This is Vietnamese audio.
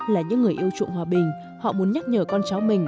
là những người yêu chuộng hòa bình họ muốn nhắc nhở con cháu mình